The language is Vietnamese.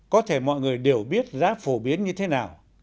có thể mọi người đều biết giá phổ biến như thế nào